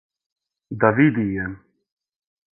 Да види је.